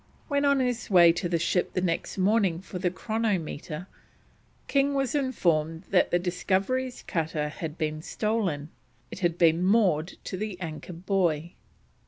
When on his way to the ship the next morning for the chronometer, King was informed that the Discovery's cutter had been stolen; it had been moored to the anchor buoy.